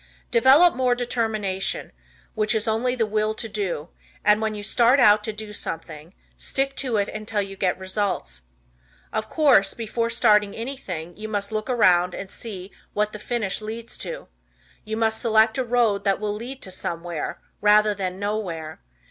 Develop more determination, which is only the Will To Do, and when you start out to do something stick to it until you get results. Of course, before starting anything you must look ahead and see what the "finish leads to." You must select a road that will lead to "somewhere," rather than "nowhere."